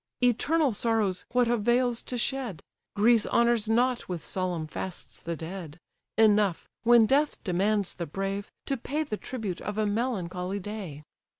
Eternal sorrows what avails to shed? Greece honours not with solemn fasts the dead: Enough, when death demands the brave, to pay The tribute of a melancholy day.